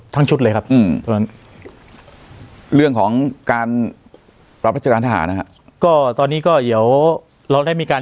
แต่โดนมา